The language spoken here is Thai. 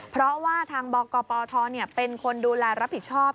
เพราะว่าทางบกปทเป็นคนดูแลรับผิดชอบ